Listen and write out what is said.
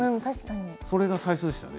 それが最初でしたね。